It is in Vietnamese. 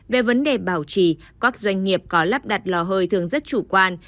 về vấn đề bảo trì các doanh nghiệp có lắp đặt lò hơi thường rất chủ quan